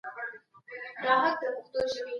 مغولو د نوي اقتصادي سیستم د جوړولو هڅه وکړه.